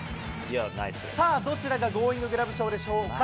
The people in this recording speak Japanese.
さあ、どちらがゴーインググラブ賞でしょうか。